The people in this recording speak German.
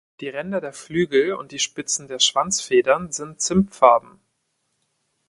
Die Ränder der Flügel und die Spitzen der Schwanzfedern sind zimtfarben.